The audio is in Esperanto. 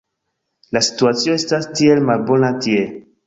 la situacio estas tiel malbona tie